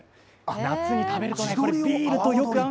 夏に食べるとね、これよく合う。